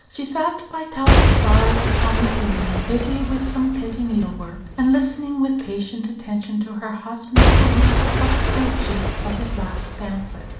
She sat by Talbot's side upon this evening, busy with some petty needle work, and listening with patient attention to her husband's perusal of the proof sheets of his last pamphlet.